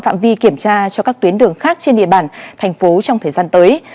phạm vi kiểm tra cho các tuyến đường khác trên địa bàn thành phố trong thời gian tới